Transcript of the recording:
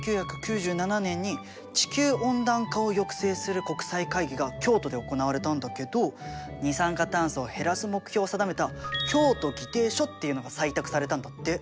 １９９７年に地球温暖化を抑制する国際会議が京都で行われたんだけど二酸化炭素を減らす目標を定めた京都議定書っていうのが採択されたんだって。